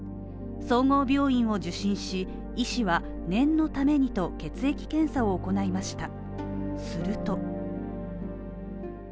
総合病院を受診し、医師は念のためにと血液検査を行いました。